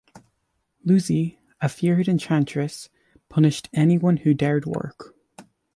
Lussi, a feared enchantress, punished anyone who dared work.